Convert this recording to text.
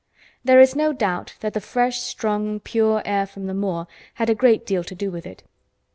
There is no doubt that the fresh, strong, pure air from the moor had a great deal to do with it.